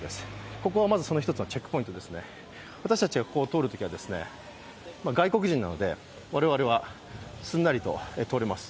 ここはまずその１つのチェックポイントですね、私たちは外国人なので、我々はすんなりと通れます。